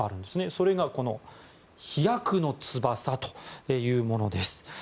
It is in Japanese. それが「飛躍の翼」というものです。